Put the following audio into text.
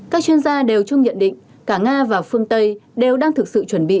các chuyên gia đều chung nhận định cả nga và phương tây đều đang thực sự chuẩn bị